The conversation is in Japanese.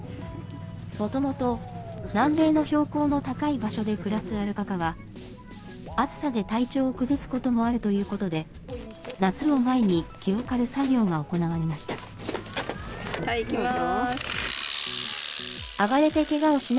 もともと、南米の標高の高い場所で暮らすアルパカは、暑さで体調を崩すこともあるということで、夏を前に毛を刈る作業が行われました。